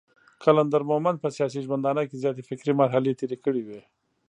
قلندر مومند په سياسي ژوندانه کې زياتې فکري مرحلې تېرې کړې وې.